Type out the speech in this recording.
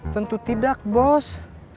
tentu tidak bos